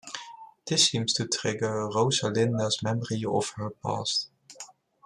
This seems to trigger Rosalinda's memory of her past.